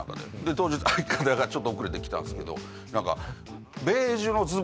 当日相方がちょっと遅れて来たんですけど。